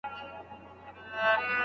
آیا پخه ډوډۍ تر خامې غوښې خوندوره ده؟